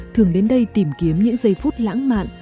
thường đến đây tìm kiếm những giây phút lãng mạn